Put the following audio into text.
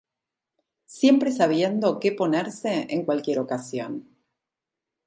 Siempre sabiendo que ponerse en cualquier ocasión.